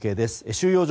収容所